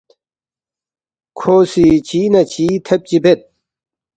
کھو سی چی نہ چی تھیب چی بید